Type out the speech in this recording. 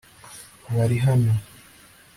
bari hano